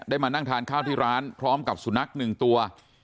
มานั่งทานข้าวที่ร้านพร้อมกับสุนัขหนึ่งตัว